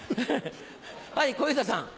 はい小遊三さん。